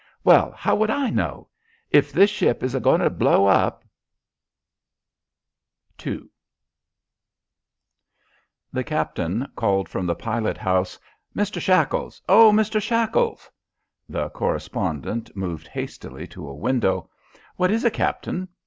"Well, how would I know? If this ship is goin' to blow up " II The captain called from the pilot house. "Mr. Shackles! Oh, Mr. Shackles!" The correspondent moved hastily to a window. "What is it, Captain?"